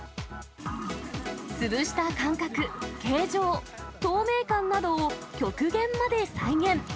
潰した感覚、形状、透明感などを極限まで再現。